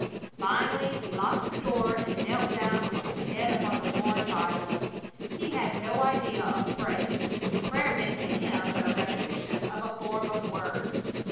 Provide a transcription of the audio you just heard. Finally he locked the door and knelt down with his head upon the worn Bible. He had no idea of praying. Prayer meant to him but a repetition of a form of words.